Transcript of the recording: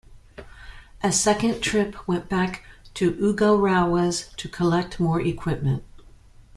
A second trip went back to Ugarrowwa's to collect more equipment.